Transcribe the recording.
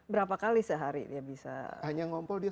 berapa kali sehari dia bisa